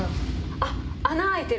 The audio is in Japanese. あっ、穴開いてる？